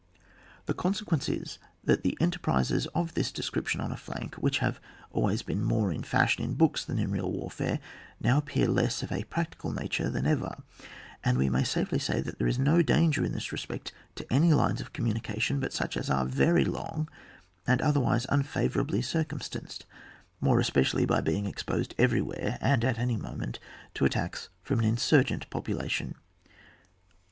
The consequence is, that enterprises of this description on a flank, which have always been more in fashion in books than in real warfare, now ap pear less of a practical nature than ever, and we may safely say that there is no danger in this respect to any lines of communication but such as are veiy long, and otherwise unfavourably circum stanced, more especially by being exposed everywhere and at any moment to attacks from an imurgmt population.